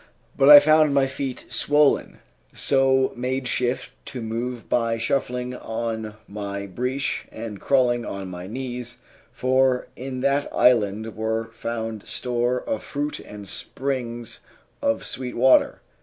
But I found my feet swollen, so made shift to move by shuffling on my breech and crawling on my knees, for in that island were found store of fruit and springs of sweet water.